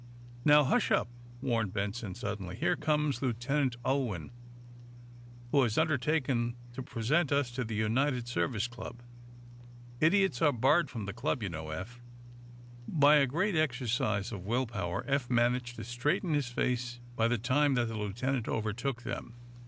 "Now, hush up," warned Benson, suddenly. "Here comes Lieutenant Ulwin, who has undertaken to present us at the United Service Club. Idiots are barred from the club, you know, Eph." By a great exercise of will power Eph managed to straighten his face by the time that the lieutenant overtook them.